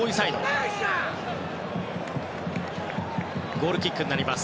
ゴールキックになります。